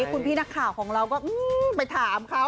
คุณพี่นักข่าวของเราก็ไปถามเขา